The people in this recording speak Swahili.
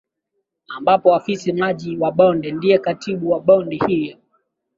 ambapo Afisa waji Maji wa Bonde ndiye Katibu wa Bodi hiyo